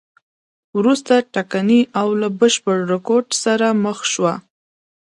وروسته ټکنۍ او له بشپړ رکود سره مخ شوه.